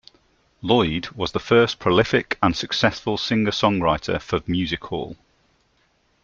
Lloyd was the first prolific and successful singer-songwriter for music hall.